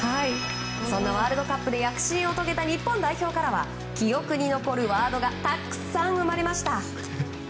そんなワールドカップで躍進を遂げた日本代表からは記憶に残るワードがたくさん生まれました。